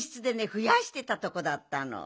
ふやしてたとこだったの。